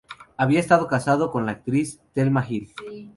Había estado casado con la actriz Thelma Hill.